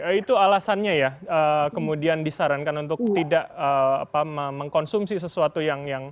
oke itu alasannya ya kemudian disarankan untuk tidak mengkonsumsi sesuatu yang dingin dingin